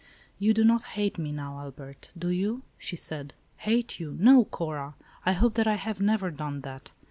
"You do not hate me, now, Albert, do you?" she said. "Hate you; no, Cora. I hope that I have never done that.